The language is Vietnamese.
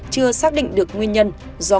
chưa xác định được nguyên nhân do